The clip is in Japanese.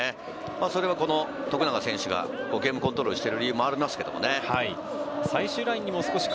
その徳永選手のゲームコントロールをしている理由もありますけどね。